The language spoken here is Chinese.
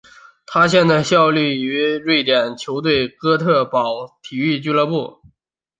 他现在效力于瑞典球队哥特堡体育俱乐部。